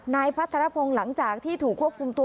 นายพัทรพงศ์หลังจากที่ถูกควบคุมตัว